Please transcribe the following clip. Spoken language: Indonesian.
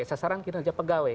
sasaran kinerja pegawai